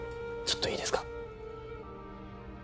ちょっといいですか？